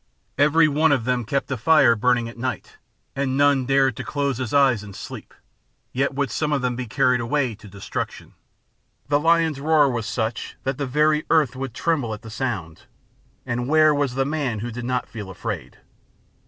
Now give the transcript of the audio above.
Every one of them kept a fire burning at night, and none dared to close his eyes in sleep; yet would some of them be carried away to destruction. The lion's roar was such that the very earth would tremble at the sound, and where was the man who did not feel afraid?